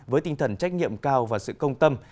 với tinh thần trách nhiệm cao và sự công tâm